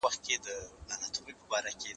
زه مخکي لوښي وچولي وو؟